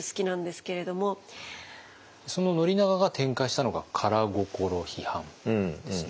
その宣長が展開したのが「漢意」批判ですよね。